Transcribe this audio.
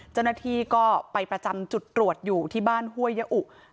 เจ้าหน้าที่ก็ไปประจำจุดตรวจอยู่ที่บ้านห้วยยะอุ